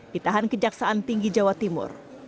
ditahan kejaksaan tinggi jawa timur